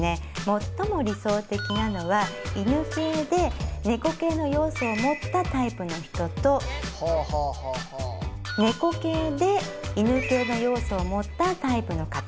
最も理想的なのは犬系で猫系の要素を持ったタイプの人と猫系で犬系の要素を持ったタイプの方が相性がいいです。